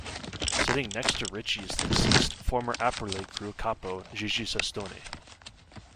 Sitting next to Richie is the deceased, former Aprile Crew capo Gigi Cestone.